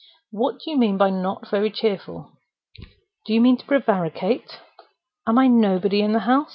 "What do you mean by not very cheerful? Do you mean to prevaricate? Am I nobody in the house?